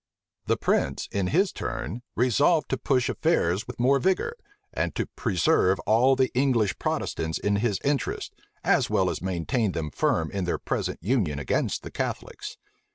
The prince, in his turn, resolved to push affairs with more vigor, and to preserve all the English Protestants in his interests, as well as maintain them firm in their present union against the Catholics.